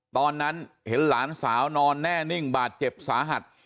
ตอนนั้นเห็นหลานสาวนอนแน่นิ่งบาดเจ็บสาหัส